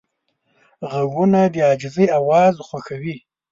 غوږونه د عاجزۍ اواز خوښوي